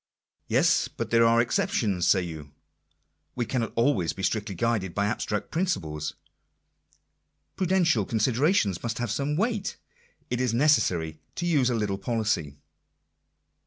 Yes, but there are exceptions, say you. We cannot always be strictly guided by abstract principles. Prudential con siderations must have some weight. It is necessary to use a little policy.